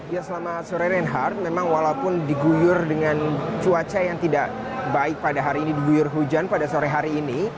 ya selamat sore reinhardt memang walaupun diguyur dengan cuaca yang tidak baik pada hari ini diguyur hujan pada sore hari ini